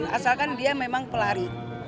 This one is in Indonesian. asalkan dia memang pelari